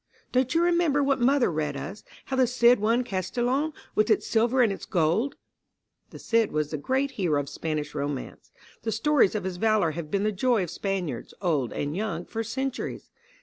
Don't you remember what mother read us, how the Cid won Castelon, with its silver and its gold?" (1) The Cid was the great hero of Spanish romance. The stories of his valor have been the joy of Spaniards, old and young, for centuries.